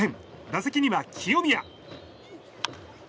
打席には清宮。